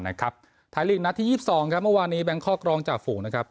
ไทยลีกท์นาที๒๒เมื่อวานนี้แบงคลอกคลองจากฝูง